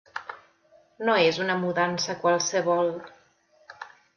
No és una mudança qualsevol.